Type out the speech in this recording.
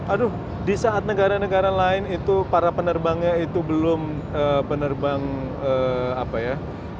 aduh di saat negara negara lain itu para penerbangnya itu belum penerbang apa ya